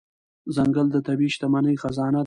ځنګل د طبیعي شتمنۍ خزانه ده.